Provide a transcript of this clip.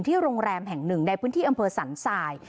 โรงแรมแห่งหนึ่งในพื้นที่อำเภอสันทราย